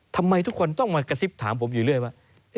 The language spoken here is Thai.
ทำไมทุกคนต้องมากระซิบถามผมอยู่เรื่อยว่า